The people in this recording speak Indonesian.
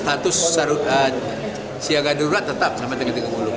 status darurat siaga darurat tetap sama tiga puluh